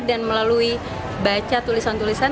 dan melalui baca tulisan tulisan